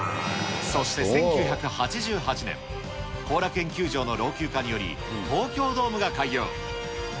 そして１９８８年、後楽園球場の老朽化により、東京ドームが開業。